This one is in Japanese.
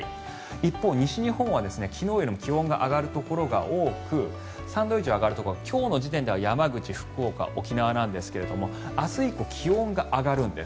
一方、西日本は昨日よりも気温が上がるところが多く３度以上が上がるところは山口、沖縄なんですが明日以降はもっと増えます。